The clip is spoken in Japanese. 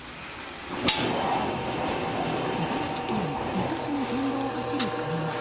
茨城県水戸市の県道を走る車。